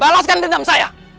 balaskan dendam saya